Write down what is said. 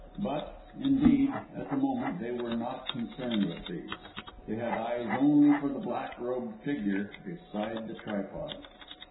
But, indeed, at the moment they were not concerned with these; they had eyes only for the black robed figure beside the tripod.